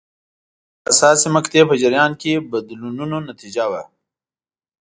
دا د حساسې مقطعې په جریان کې بدلونونو نتیجه وه.